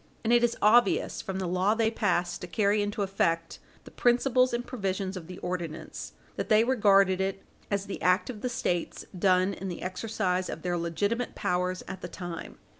And it is obvious from the law they passed to carry into effect the principles and provisions of the ordinance that they regarded it as the act of the States done in the exercise of their legitimate powers at the time.